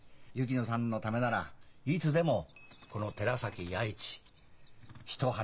薫乃さんのためならいつでもこの寺崎弥市一肌